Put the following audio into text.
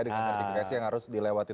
dengan sertifikasi yang harus dilewati